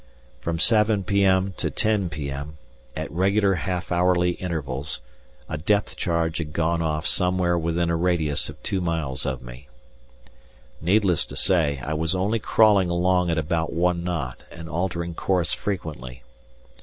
From 7 p.m. to 10 p.m., at regular half hourly intervals, a depth charge had gone off somewhere within a radius of two miles of me. Needless to say, I was only crawling along at about one knot and altering course frequently.